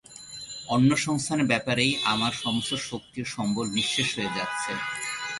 অন্নসংস্থানের ব্যাপারেই আমার সমস্ত শক্তি ও সম্বল নিঃশেষ হয়ে যাচ্ছে।